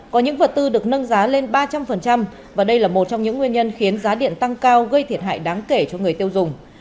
có những vật tư được nâng giá lên ba trăm linh và đây là một trong những nguyên nhân khiến giá điện tăng cao gây thiệt hại đáng kể cho người tiêu dùng